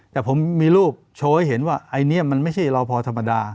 แต่ผมมีรูปโชว์ให้เห็นว่าไม่ใช่รอพอธรรมดา